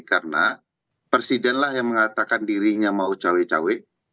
karena presiden lah yang mengatakan dirinya mau cowek cowek